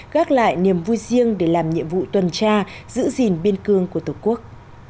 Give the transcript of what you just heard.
gác lại niềm vui riêng để làm nhiệm vụ tuần tra giữ gìn biên cương của tổ quốc